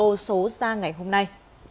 bộ số ra ngày hôm nay